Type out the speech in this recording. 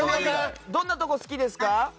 どんなところが好きですか？